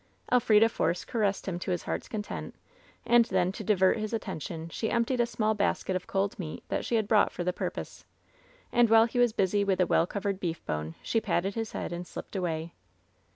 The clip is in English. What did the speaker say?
Elfrida Force caressed him to his heart's content, and then to divert his attention she emptied a small basket of cold meat that she had brought for the purpose, and while he was busy with a well covered beef bone she patted his head and slipped away.